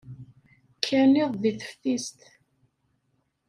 Kkan iḍ deg teftist.